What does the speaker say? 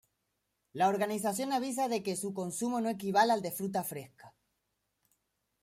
La organización avisa de que su consumo no equivale al de fruta fresca.